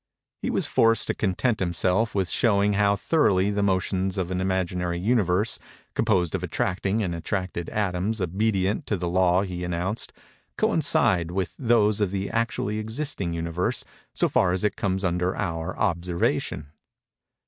He was forced to content himself with showing how thoroughly the motions of an imaginary Universe, composed of attracting and attracted atoms obedient to the law he announced, coincide with those of the actually existing Universe so far as it comes under our observation.